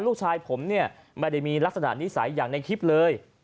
ลูกชายผมเนี่ยไม่ได้มีลักษณะนิสัยอย่างในคลิปเลย